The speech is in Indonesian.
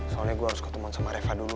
soalnya gue harus ketemu sama reva dulu